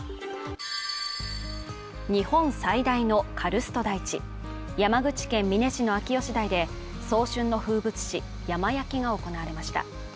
日本最大のカルスト台地山口県美祢市の秋吉台で早春の風物詩山焼きが行われました。